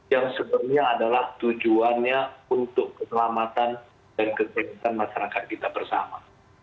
yang sebenarnya adalah tujuannya untuk keselamatan dan kesehatan masyarakat kita bersama